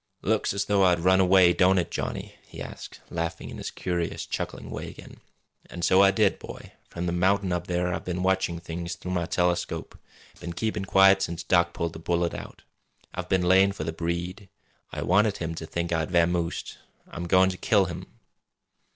"Looks as though I'd run away, don't it, Johnny?" he asked, laughing in his curious, chuckling way again. "An' so I did, boy. From the mountain up there I've been watching things through my telescope been keepin' quiet since Doc pulled the bullet out. I've been layin' for the Breed. I wanted him to think I'd vamoosed. I'm goin' to kill him!"